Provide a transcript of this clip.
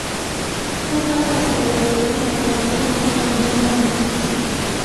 او حتی از آزار دادن فرزندان خودش ابا ندارد.